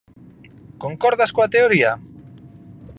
Concordas coa teoría?